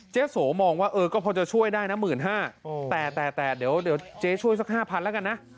เจ๊โสมองว่าเออก็พอจะช่วยได้นะหมื่นห้าแต่แต่แต่เดี๋ยวเดี๋ยวเจ๊ช่วยสักห้าพันแล้วกันนะ